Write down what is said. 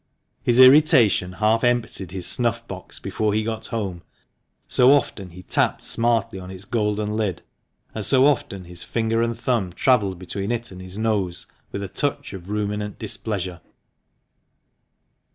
His irritation half 324 THE MANCHESTER MAN. emptied his snuff box before he got home, so often he tapped smartly on its golden lid, and so often his ringer and thumb travelled between it and his nose with a touch of ruminant displeasure.